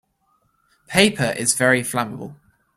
Paper is very flammable.